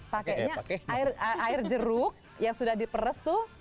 pakainya air jeruk yang sudah diperes tuh